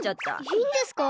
いいんですか？